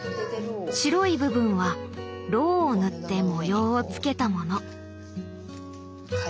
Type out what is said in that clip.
白い部分はろうを塗って模様をつけたもの。